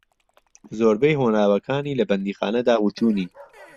زۆربەی ھۆنراوەکانی لە بەندیخانەدا وتونی